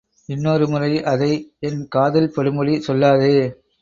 இன்னொரு முறை அதை என் காதில் படும்படி சொல்லாதே.